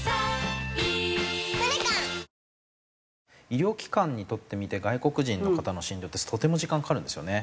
医療機関にとってみて外国人の方の診療ってとても時間かかるんですよね。